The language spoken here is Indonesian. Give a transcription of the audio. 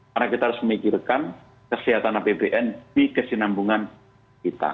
karena kita harus memikirkan kesehatan bbm di kesinambungan kita